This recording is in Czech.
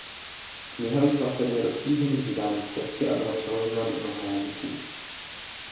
Kniha vyšla v sedmi rozšířených vydáních česky a byla přeložena do mnoha jazyků.